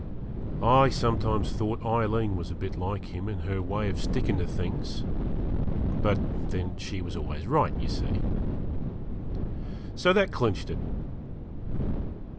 I sometimes thought Aileen was a bit like him in her way of sticking to things. But then she was always right, you see. So that clinched it.